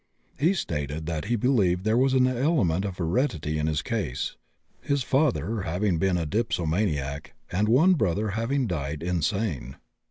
He stated that he believed there was an element of heredity in his case, his father having been a dipsomaniac and one brother having died insane.